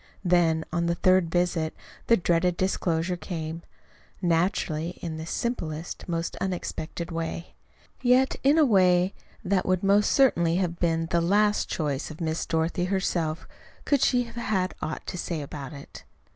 Then, on the third visit, the dreaded disclosure came, naturally, and in the simplest, most unexpected way; yet in a way that would most certainly have been the last choice of Miss Dorothy herself could she have had aught to say about it.